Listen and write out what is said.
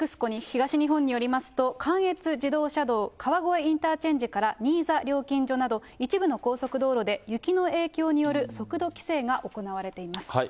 ＮＥＸＣＯ東日本によりますと、関越自動車道、川越インターチェンジから新座料金所など、一部の高速道路で雪の影響による速度規制が行われています。